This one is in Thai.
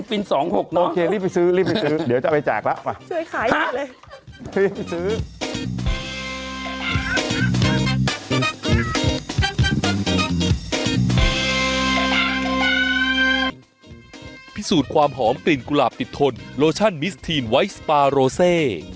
พิสูจน์ความหอมกลิ่นกุหลาบติดทนโลชั่นมิสทีนไวท์